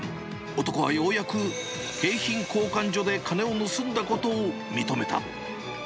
男はようやく、景品交換所で金を盗んだことを認めた。